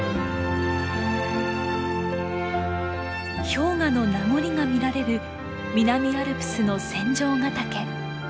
氷河の名残が見られる南アルプスの仙丈ヶ岳。